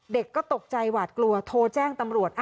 เด็กก็ตกใจหวาดกลัวโทรแจ้งตำรวจ